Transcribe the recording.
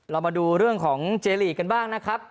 เรามาดูเรื่องของเจลีกกันบ้างนะครับ